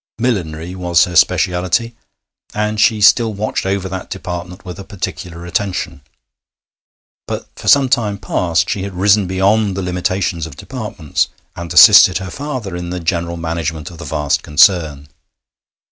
Millinery was her speciality, and she still watched over that department with a particular attention; but for some time past she had risen beyond the limitations of departments, and assisted her father in the general management of the vast concern.